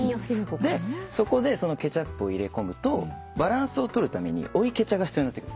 そこでケチャップを入れ込むとバランスをとるために追いケチャが必要になってくる。